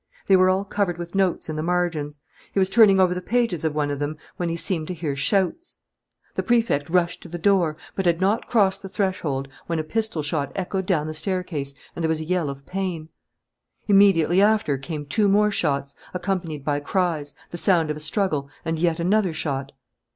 They were all covered with notes in the margins. He was turning over the pages of one of them, when he seemed to hear shouts. The Prefect rushed to the door, but had not crossed the threshold when a pistol shot echoed down the staircase and there was a yell of pain. Immediately after came two more shots, accompanied by cries, the sound of a struggle, and yet another shot.